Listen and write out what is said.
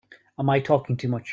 Am I talking too much?